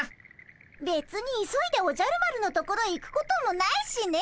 べつに急いでおじゃる丸のところへ行くこともないしね。